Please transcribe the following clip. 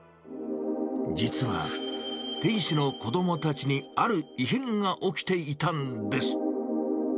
実は、店主の子どもたちにある異変が起きていたんです。